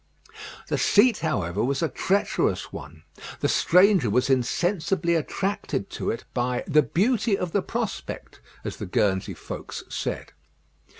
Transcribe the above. The seat, however, was a treacherous one. The stranger was insensibly attracted to it by "the beauty of the prospect," as the Guernsey folks said.